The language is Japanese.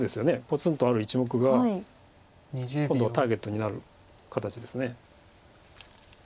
ぽつんとある１目が今度はターゲットになる形です。